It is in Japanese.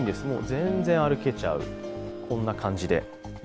全然歩けちゃう、こんな感じで。